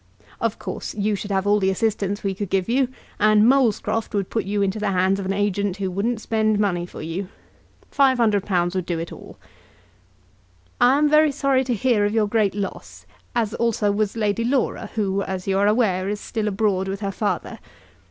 Of course, you should have all the assistance we could give you, and Molescroft would put you into the hands of an agent who wouldn't spend money for you. £500 would do it all. I am very sorry to hear of your great loss, as also was Lady Laura, who, as you are aware, is still abroad with her father.